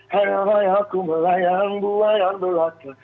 hanya rawalku melayang buaya belaka